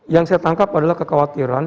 yang saya tangkap adalah kekhawatiran